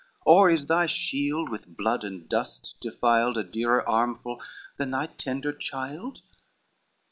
Or is thy shield, with blood and dust defiled, A dearer armful than thy tender child?"